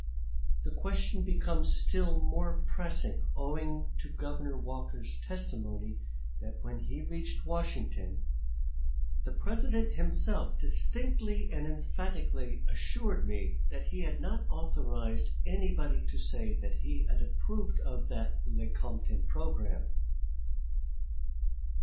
The question becomes still more pressing owing to Governor Walker's testimony that when he reached Washington, "the President himself distinctly and emphatically assured me that he had not authorized anybody to say that he had approved of that [Lecompton] programme."